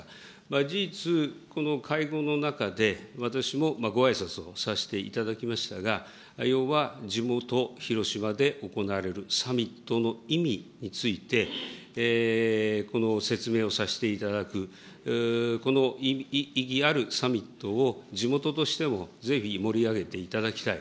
事実、この会合の中で、私もごあいさつをさせていただきましたが、要は、地元広島で行われるサミットの意味について、説明をさせていただく、この意義あるサミットを、地元としても、ぜひ盛り上げていただきたい。